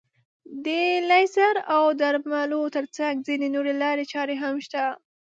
د لیزر او درملو تر څنګ ځينې نورې لارې چارې هم شته.